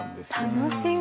楽しみ。